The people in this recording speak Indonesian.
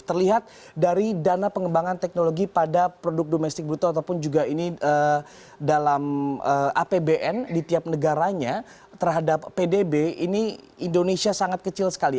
terlihat dari dana pengembangan teknologi pada produk domestik bruto ataupun juga ini dalam apbn di tiap negaranya terhadap pdb ini indonesia sangat kecil sekali